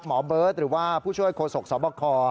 หมอเบิร์ตหรือว่าผู้ช่วยโฆษกสบค